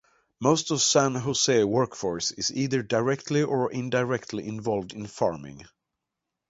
Most of the San Jose workforce is either directly or indirectly involved in farming.